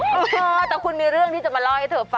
จ่อยแต่คุณมีเรื่องที่จะมาเล่าให้เถอะฝ่า